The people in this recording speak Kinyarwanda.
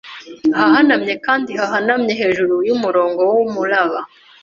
ahahanamye kandi hahanamye, hejuru yumurongo wumuraba.